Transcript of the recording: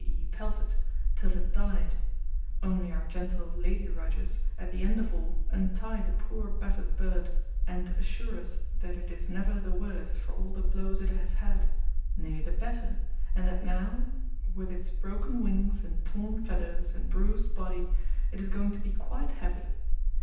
e. pelted) till it died; only our gentle lady writers at the end of all untie the poor battered bird, and assure us that it is never the worse for all the blows it has had nay, the better and that now, with its broken wings and torn feathers and bruised body, it is going to be quite happy.